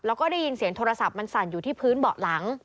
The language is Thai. แล้วก็ได้ยินเสียงโทรศัพท์มันสั่นอยู่ที่พื้นเบาะหลัง